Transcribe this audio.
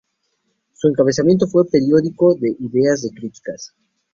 Su encabezamiento fue "periódico de Ideas y de Críticas".